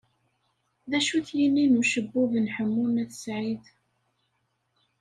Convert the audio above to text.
D acu-t yini n ucebbub n Ḥemmu n At Sɛid?